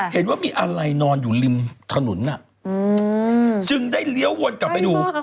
เห็นว่ามีอะไรนอนอยู่ริมถนนจึงได้เลี้ยววนกลับไปดู